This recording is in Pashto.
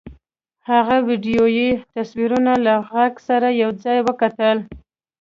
هغه ویډیويي تصویرونه له غږ سره یو ځای وکتل